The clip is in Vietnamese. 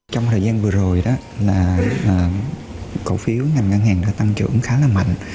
trong thời gian vừa rồi đó là cổ phiếu ngành ngân hàng đã tăng trưởng khá là mạnh